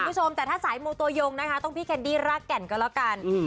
คุณผู้ชมแต่ถ้าสายมูตัวยงนะคะต้องพี่แคนดี้รากแก่นก็แล้วกัน